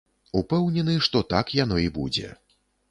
Упэўнены, што так яно і будзе.